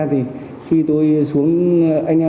thì khi tôi xuống